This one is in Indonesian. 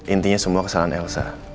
intinya semua kesalahan elsa